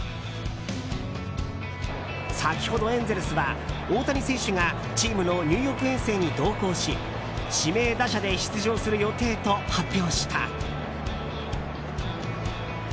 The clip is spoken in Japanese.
先ほどエンゼルスは大谷選手がチームのニューヨーク遠征に同行し指名打者で出場する予定と発表した。